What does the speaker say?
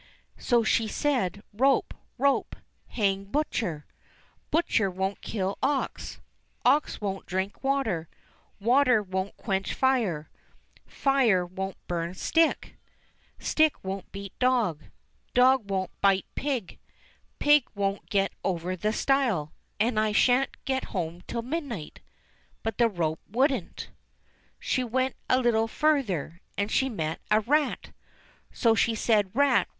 So she said, "Rope ! rope ! hang butcher ; butcher won't kill ox ; ox won't drink water ; water won't quench fire ; fire won't burn stick ; 254 ENGLISH FAIRY TALES stick won't beat dog ; dog won't bite pig ; pig won't get over the stile ; and I shan't get home till midnight." But the rope wouldn't. She went a little further, and she met a rat. So she said, " Rat